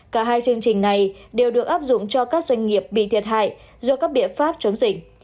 cả hai chương trình này đều được áp dụng cho các doanh nghiệp bị thiệt hại do các biện pháp chống dịch